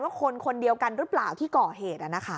ว่าคนคนเดียวกันรึเปล่าที่ก่อเหตุน่ะนะคะ